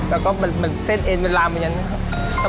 แล้วก็เหมือนเส้นเอ็นเวลามันอย่างนั้นนะครับ